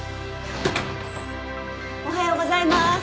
・おはようございます。